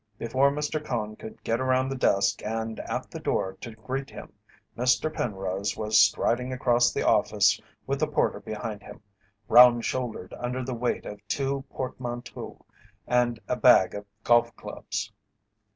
Before Mr. Cone could get around the desk and at the door to greet him, Mr. Penrose was striding across the office with the porter behind him, round shouldered under the weight of two portmanteaux and a bag of golf clubs.